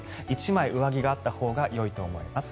１枚上着があったほうがよいと思います。